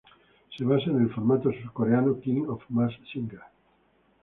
Se basa en el formato surcoreano King of Mask Singer.